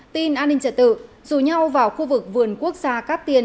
tin an ninh trật tự dù nhau vào khu vực vườn quốc gia cắt tiền